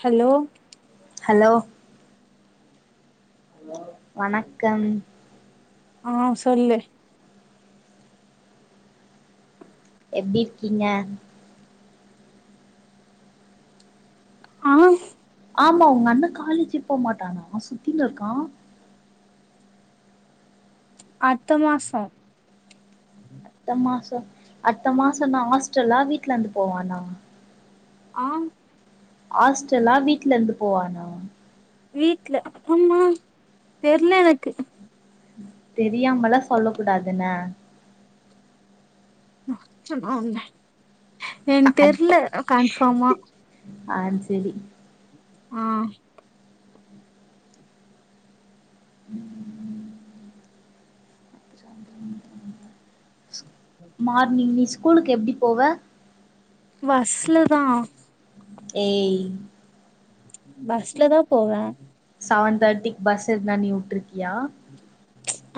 Hello hello வணக்கம் ஆ சொல்லு எப்டி இருக்கீங்க ஆ ஆமா உங்க அண்ண காலேஜு போமாட்டானா சுத்தின்னு இருக்கா அடுத்த மாசோ அடுத்த மாசோ அடுத்த மாசோ என்ன ஹாஸ்டல்லா வீட்ல இருந்து போவானா ஆ ஹாஸ்டல்லா வீட்ல இருந்து போவானா வீட்ல அம்மா தெர்ல எனக்கு தெரியாமலா சொல்ல கூடாது என்ன அடுச்சனா உன்ன எனக்கு தெர்ல கன்ஃபார்மா ஆ செரி ஆ [inaudible] ஸ் மார்னிங் நீ ஸ்கூலுக்கு எப்டி போவ பஸ்ல தா ஏய் பஸ்ல தா போவ செவன் தேர்ட்டிக்கு பஸ் எதுனா நீ உட்டுருக்கியா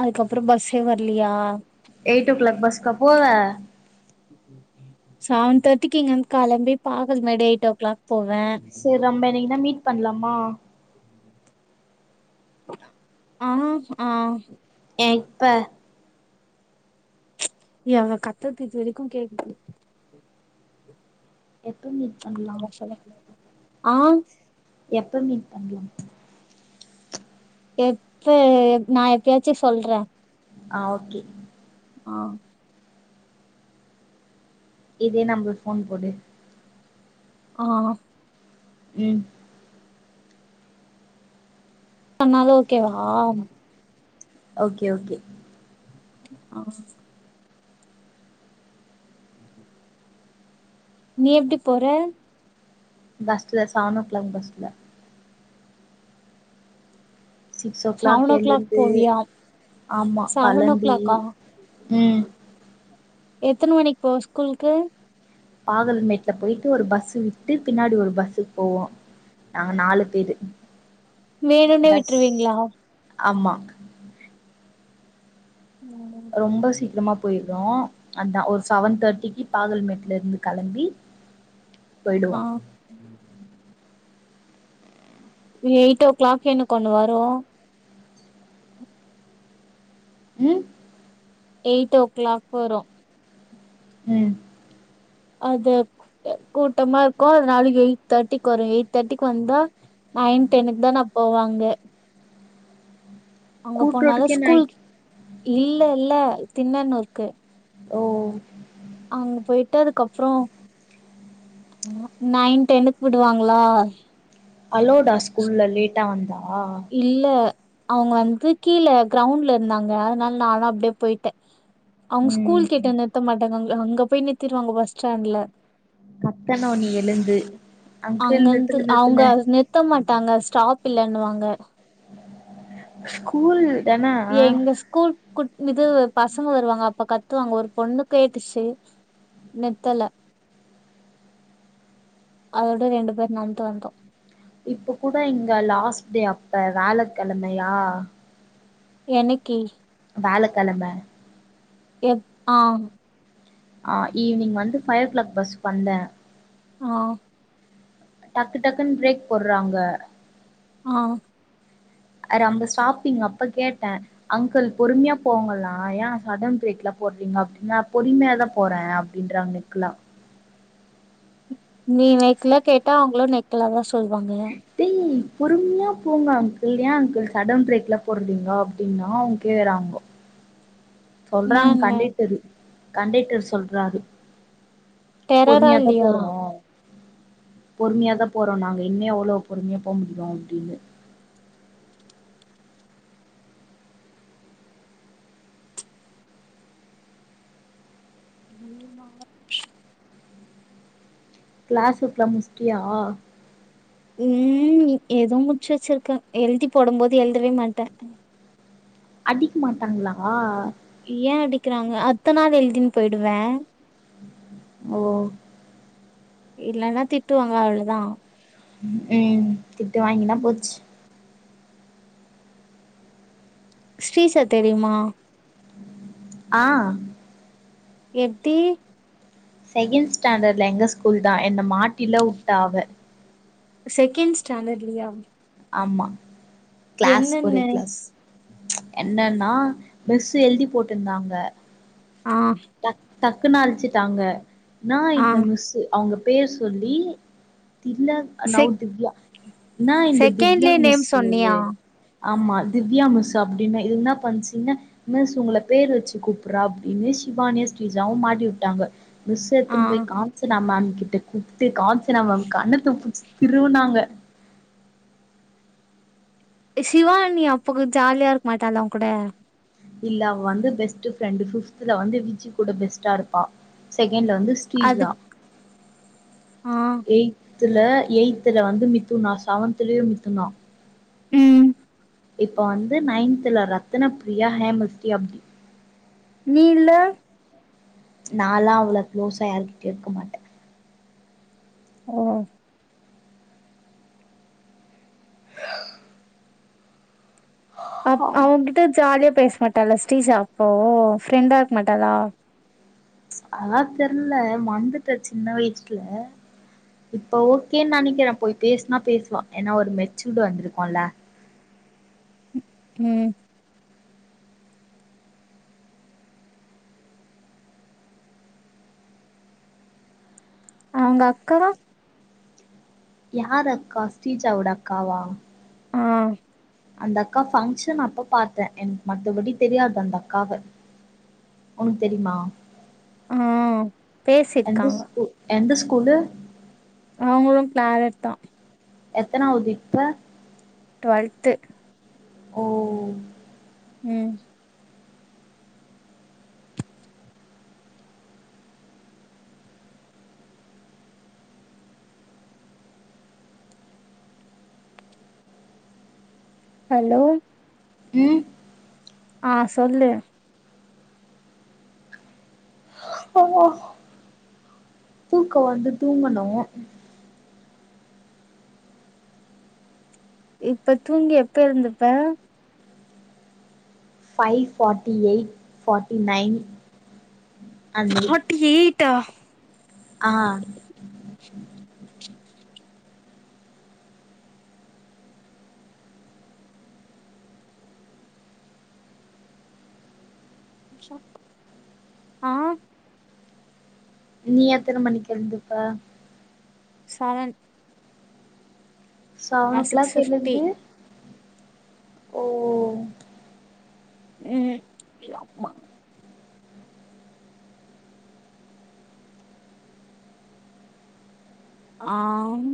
அதுக்கப்றோம் பஸ்சே வரலையா எயிட் ஓ க்ளாக் பஸ்க்கா போவ செவன் தேர்ட்டிக்கு இங்கருந்து கெளம்பி பாகல்மேடு எயிட் ஓ கிளாக் போவ சேர் ரம்மப எனிக்குன்னா மீட் பண்லாமா [unintelligible] ஆ ஆ எப்ப ஏ அவுங்க கத்தறது இது வரைக்கு கேக்குது எப்ப மீ நீக்கதா சொல்லனு எப்ப மீட் பண்லா எப்ப நா எப்பயாச்சு சொல்ற ஆ ஓகே ஆ இதே நம்பர்க்கு ஃபோன் போடு ஆ ம் பண்ணாலு ஓகேவா ஓகே ஓகே ஆ ம்ஹூம் நீ எப்டி போற? பஸ்ல செவன் ஓ க்ளாக் பஸ்ல six clock seven o'clock எழுந்து போவியா? ஆமா செவன் ஓ கெளம்பி க்ளாக்கா? ம் எத்தன மணிக்கு போவ ஸ்கூல்க்கு பாகல்மேட்டுல போயிட்டு ஒரு பஸ்ஸு விட்டு பின்னாடி ஒரு பஸ்ஸுக் போவோ நாங்க நாலு பேரு வேணுனே பஸ் விட்ருவீங்களா ஆமா அதனால ரொம்ப சீக்கிரமா போயிரோ அதா ஒரு செவன் தேர்ட்டிக்கு பாகல்மேட்ல இருந்து கெளம்பி போயிடுவோ ஆ எயிட் ஓ க்ளாக் என்க்கு ஒண்ணு வரு ம் எயிட் ஓ க்ளாக் வரு ம் அது கூட்டமா இருக்கு அதனால எயிட் தேட்டிக்கு வரு எயிட் தேட்டிக்கு வந்தா நயன் டென்க்குதா நா போவ அங்க அங்க போனாலு கூட்ரோட்டுக்கே நைன் ஸ்கூல்க் இல்ல இல்ல தின்னனூருக்கு ஓ அங்க போயிட்டு அதுக்கப்றோ நயன் டென்க்கு விடுவாங்ளா அலோவ்டா ஸ்கூல்ல லேட்டா வந்தா இல்ல அவுங்க வந்து கீழ கிரௌண்ட்ல இருந்தாங்க அதனால நானு அப்டியே போயிட்ட அவுங்க ஸ்கூல் ம் கிட்ட நிறுத்தமாட்டாங்க அங்க அங்க போய் நிறுத்திருவாங்க பஸ் ஸ்டாண்ட்ல கத்தனு நீ எழுந்து அங்கிள் அங்கந்து நிறுத்துங்க அவங்க நிறுத்துங்க நிறுத்த மாட்டாங்க ஸ்டாப் இல்லன்னுவாங்க ஸ்கூல்தான எங்க ஸ்கூல் கு இது பசங்க வருவாங்க அப்ப கத்துவாங்க ஒரு பொண்ணு கேட்டுச்சு நிறுத்தல அதோட ரெண்டு பேர் நடந்து வந்தோ இப்ப கூட இங்க லாஸ்ட் டே அப்ப வியாழக்கெழமையா என்னக்கி வியாழக்கெழம எப் ஆ ஆ ஈவ்னிங் வந்து ஃபை ஓ க்ளாக் பஸ்கு வந்த ஆ டக்கு டக்குன்னு பிரேக் போட்றாங்க ஆ ரம்ப ஸ்டாப்பிங் அப்ப கேட்ட அங்குள் பொறுமையா போங்கலே ஏ சடன் ப்ரேக்லா போட்றீங்க அப்டின்னா பொறிமையா தா போறே அப் அப்டின்றாங்க நெக்லா நீ நெக்கல கேட்டா அவங்களு நெக்லாதா சொல்வாங்க டேய் பொறுமையா போங்க அங்குள் ஏ அங்குள் சடன் பிரேக்ல போட்றீங்கோ அப்டின்னா அவங் கேக்கறாங்கோ சொல்றாங்க என்னான்னு கண்டைட்டரு கண்டைட்டர் சொல்றாரு டெரரா பொறுமையாதா இல்லையா போறோ பொறுமையாதா போறோ நாங்க இன்னியூ எவ்ளோ பொறுமையா போ முடியு அப்டின்னு மூணு நா கிளாஸ்ஸு கிளம்ஷ்டியா ம் ஏதே முட்ச்சு வெச்சிருக்க எழுதி போடும் போது எழுதவே மாட்ட அடிக் மாட்டாங்களா ஏ அடிக்கறாங்க அத்த நாள் எழுதின்னு போயிடுவ ஓ இல்லன்னா திட்டுவாங்க அவ்ளோதா ம் திட்டு வாங்கின ம் போச்சு ஸ்ரீஷா தெரியுமா ஆ எப்டி செகண்ட் ஸ்டாண்டர்ட்ல எங்க ஸ்கூல்தா என்ன மாட்டில்லாவுட்டா அவ செகண்ட் ஸ்டாண்டர்ட்லியா ஆமா கிளாஸ் ஒரே என்னன்னு கிளாஸ் என்னன்னா மிஸ்சு எழுதி போட்ருந்தாங்க ஆ டக்குனு அழிச்சுட்டாங்க நா ஆ இல்ல மிஸ்சு அவங்க பேர் சொல்லி தில்ல நவ் செக் திவ்யா நா இந்த திவ்யா செகண்ட்லயே நேம் மிஸ்சு சொன்னியா இல்லே ஆமா திவ்யா மிஸ்சு அப்டின்னா இது இன்னா பண்சுங்க மிஸ் உங்கள பேர் வெச்சு கூப்புட்றா அப்டின்னு சிவானியூ ஸ்ரீஜாவு மாட்டி வுட்டாங்க மிஸ் ஆ எத்துனூ போயி காம்சு நாம அன்னைக்கு திட் கூப்டு காஞ்சனா மேம் கண்ணத்த புட்ச்சி திருவுனாங்க சிவானி அப்பக்கூட ஜாலியா இருக்க மாட்டால்ல உங் கூட இல்ல அவ வந்து பெஸ்ட் ஃப்ரெண்டு் ஃபிப்த்ல வந்து விஜி கூட பெஸ்ட்டா இருப்பா செகண்ட்ல வந்து அது பீட்சா ஆ எய்த்துல எய்த்துல வந்து மித்துனா செவன்துலயு மித்துனா ம் இப்ப வந்து நைன்த்துல ரத்தனப் பிரியா ஹேமஸ்ரீ அப்டி நீல்ல நாலா அவ்ளே க்ளோஸா யாருக்கிட்டயு இருக்க மாட்ட பரவா அப் அவங்ககிட்ட ஜாலியா பேச மாட்டாளா ஸ்ரீஷா அப்போ ஃப்ரெண்டா இருக்க மாட்டாளா அதெல்லா தெர்ல மறந்துட்ட சின்ன வயசுல இப்ப ஓகேன் நெனைக்கிறே போய் பேசனா பேசுவா ஏன்னா ஒரு மெச்சூர்டு வந்துருக்குல்ல ம் அவுங்க அக்கா யாரு அக்கா ஸ்டீஜாவோட அக்காவா ஆ அந்த அக்கா ஃபங்க்ஷன் அப்ப பாத்தே எனக் மத்தபடி தெரியாது அந்த அக்காவ உனுக் தெரிமா அ எந்த பேசிர்க்காங்க ஸ்கூ எந்த ஸ்கூலு அவங்களு க்ளாரட்தா எத்தனாவது இப்ப ட்வெல்த்து ஓ ம் ஹலோ ம் ஆ சொல்லு தூக்க வர்து தூங்கணு இப்ப தூங்கி எப்ப எழுந்துப்ப five forty eight forty nine அந்மாரி டி எய்ட்டா ஆ ஆ நீ எத்தன மணிக்கு எழுந்துப்ப சவன் நா சவன் ஓ சிக்ஸ் க்ளாக் ஃபிஃப்டி எழுந்து ஓ ம் யம்மா ஆம்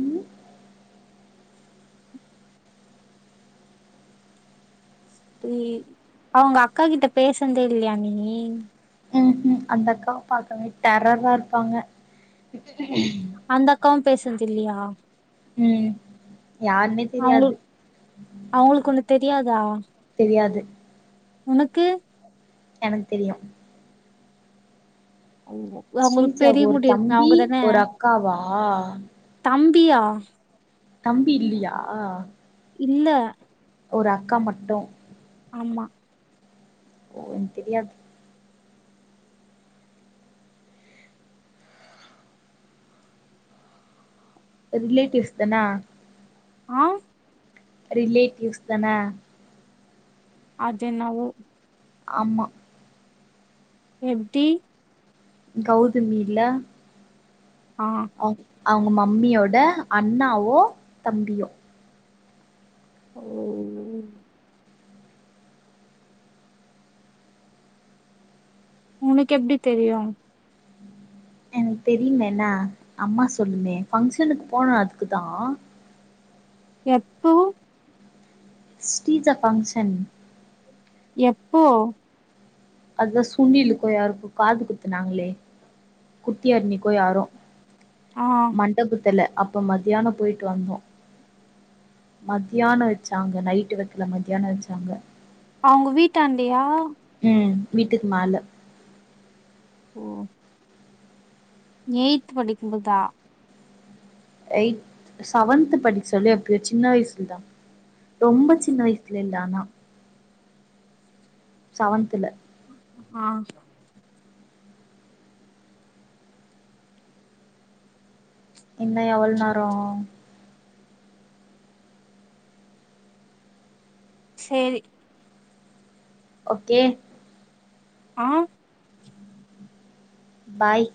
ம் [unintelligible] அவுங்க அக்கா கிட்ட பேசுன்தே இல்லயா நீ ம் உ அந்த அக்காவ பாக்கவே டெரர்ரா இருப்பாங்க அந்த அக்காவு பேசுன்தில்லயா ம் யார்மே அவ்ங்ளுக் அவ்ங்களுக்கு உன்ன தெரியாதா தெரியாது உனக்கு எனக்கு தெரியு அவ்ங்கோ அவ்ங்களுக்கு ஸ்ரீஜாக்கு பெரிய ஒரு முடி இருக்குமே தம்பி அவுங்கதான ஒரு அக்காவா தம்பியா தம்பி இல்லியா இல்ல ஒரு அக்கா மட்டு ஆமா ஓம் தெரியாத் அ ரிலேட்டிவ்ஸ் தான ஆ ரிலேட்டிவ்ஸ்தன அஜ்ஜென் நா வோ அம்மா எப்டி கௌதமில ஆ அவ் அவ்ங்க மம்மியோட அண்ணாவோ தம்பியோ [inaudible] உனக் எப்டி தெரியு எனக் தெரிலேன்னா அம்மா சொல்லுமே ஃபங்க்ஷனுக் போன அதுக்குதா எப்போ ஸ்டீஜா ஃபங்ஷன் எப்போ அத்தா சுண்ணிலுக்கோ யாருக்கோ காது குத்துனாங்ளே குட்டி அர்னிக்கோ யாரோ ஆ மண்டபத்துல அப்ப மதியான போய்ட்டு வந்தோ மத்யான வச்சாங்க நைட்டு வெக்கல மத்யான வச்சாங்க அவ்ங்க வீட்டாண்டயா ம் வீட்டுக்கு மேல ஓ எய்த் படிக்கும்புதா எய்த செவன்த்து படிக் சொல்லி எப்யோ சின்ன வயசுல தா ரொம்ப சின்ன வயசுல இல் ஆனா சவன்த்துல ஆ இன்னு எவள் நேரோ சேரி ஒக்கே ஆ பாய்